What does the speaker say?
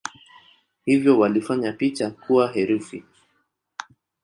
Hivyo walifanya picha kuwa herufi.